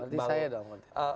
berarti saya dong